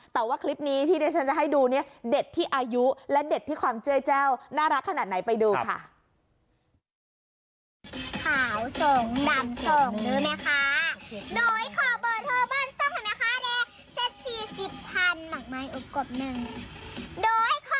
แต่ว่าคลิปนี้ที่เดี๋ยวฉันจะให้ดูเนี่ยเด็ดที่อายุและเด็ดที่ความเจื้อยแจ้วน่ารักขนาดไหนไปดูค่ะ